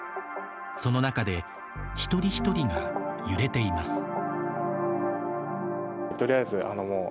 その中で一人一人が揺れています。